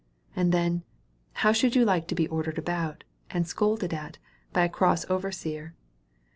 And then, how should you like to be ordered about, and scolded at, by a cross overseer?"